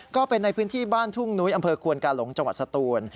ก็เป็นในพื้นที่บ้านทุ่งนุ้ยอำเภอควนกาหลงจังหวัดสตูน